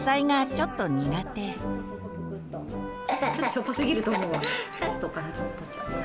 ちょっとしょっぱすぎると思うわ。